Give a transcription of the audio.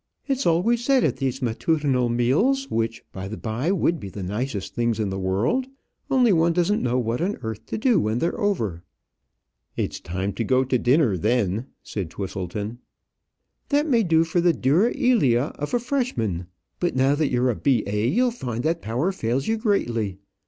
It's always said at these matutinal meals which, by the by, would be the nicest things in the world, only one doesn't know what on earth to do when they're over." "It's time to go to dinner then," said Twisleton. "That may do for the 'dura ilia' of a freshman, but now that you're a B.A., you'll find that that power fails you greatly.